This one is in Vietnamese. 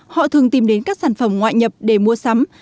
họ thường tìm đến các sản phẩm ngoại nhập để mua sắm